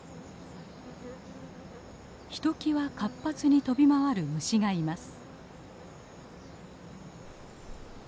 ひときわ活発に飛び回る虫がいます。